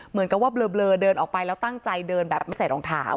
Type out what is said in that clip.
เหมือนกับว่าเบลอเดินออกไปแล้วตั้งใจเดินแบบไม่ใส่รองเท้า